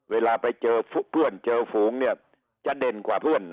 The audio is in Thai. เวลาไปเจอเพื่อนเจอฝูงเนี่ยจะเด่นกว่าเพื่อน